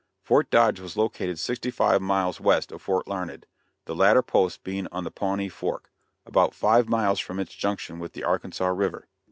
Fort Dodge was located sixty five miles west of Fort Larned, the latter post being on the Pawnee Fork, about five miles from its junction with the Arkansas River.